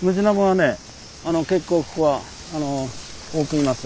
結構ここは多くいます。